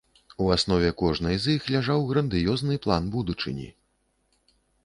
У аснове кожнай з іх ляжаў грандыёзны план будучыні.